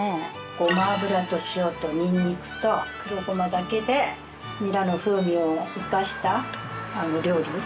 ごま油と塩とニンニクと黒ごまだけでニラの風味を生かした料理。